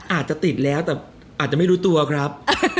อาจจะติดแล้วแต่อาจจะไม่รู้ตัวครับ